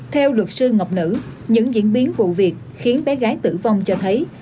theo luật sư ngọc nữ những diễn biến vụ việc khiến bé gái tử vong cho thấy